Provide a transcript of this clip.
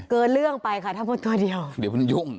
เกินเรื่องไปค่ะถ้ามดตัวเดียวเดี๋ยวมันยุ่ง